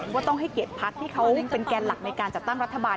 ว่าต้องให้เกียรติพักที่เขาเป็นแกนหลักในการจัดตั้งรัฐบาล